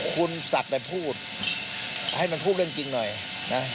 คุณสัตว์ไปพูดให้มันพูดเรื่องจริงหน่อยนะฮะ